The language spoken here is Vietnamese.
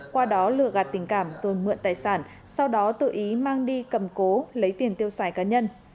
qua đó lừa gạt tình cảm rồi mượn tài sản sau đó tự ý mang đi cầm cố lấy tiền tiêu xài cá nhân